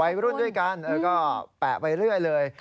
วัยรุ่นด้วยกันก็แปะไปเรื่อยเลย